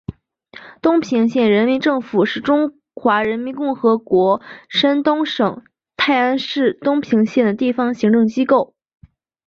东平县人民政府是中华人民共和国山东省泰安市东平县的地方行政机构。